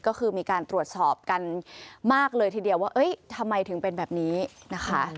ก็คือมีการตรวจสอบกันมากเลยทีเดียวว่าทำไมถึงเป็นแบบนี้นะคะ